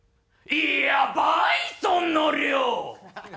いやバイソンの量！